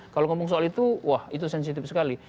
kalau ngomong soal itu wah itu sensitif sekali